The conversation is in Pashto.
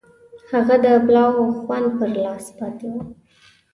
هغه د پلاو خوند پر لاس پاتې و.